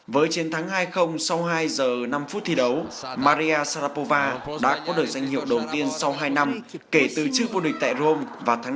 với chiến thắng hai sau hai giờ năm phút thi đấu maria sarapova đã có được danh hiệu đầu tiên sau hai năm kể từ trước vô địch tại rome vào tháng năm